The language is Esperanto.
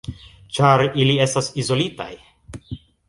Ĉar ili estas izolitaj.